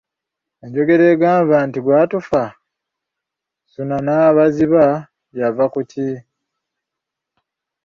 Enjogera egamba nti gwatufa, Ssuuna n'Abaziba yava ku ki?